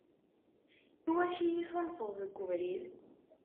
Iwacu i yi-tunfeḍ deg ubrid?